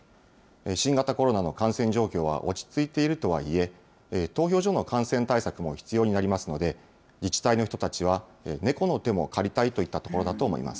新型コロナの感染状況は落ち着いているとはいえ、投票所の感染対策も必要になりますので、自治体の人たちは猫の手も借りたいといったところだと思います。